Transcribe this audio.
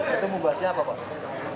itu membahasnya apa pak